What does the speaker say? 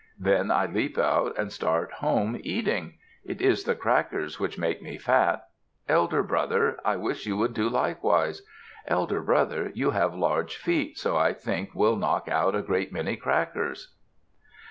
Then I leap out and start home eating. It is the crackers which make me fat. Elder brother, I wish you would do likewise. Elder brother, you have large feet, so I think will knock out a great many crackers."